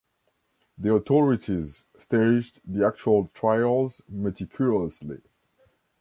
The authorities staged the actual trials meticulously.